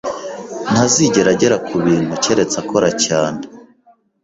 Ntazigera agera kubintu keretse akora cyane